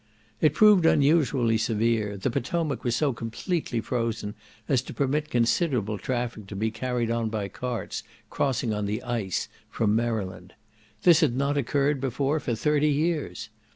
It proved unusually severe; the Potomac was so completely frozen as to permit considerable traffic to be carried on by carts, crossing on the ice, from Maryland. This had not occurred before for thirty years.